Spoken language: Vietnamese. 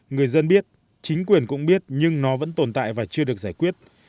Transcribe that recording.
người dân biết chính quyền cũng biết nhưng nó vẫn tồn tại và chưa được giải quyết